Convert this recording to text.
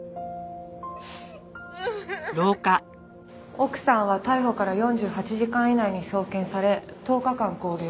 奥さんは逮捕から４８時間以内に送検され１０日間勾留。